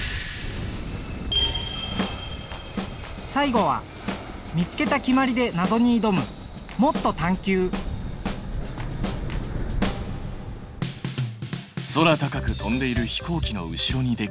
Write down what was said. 最後は見つけた決まりでなぞにいどむ空高く飛んでいる飛行機の後ろにできる白い帯。